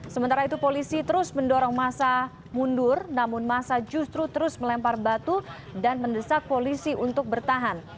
sementara itu polisi terus mendorong masa mundur namun masa justru terus melempar batu dan mendesak polisi untuk bertahan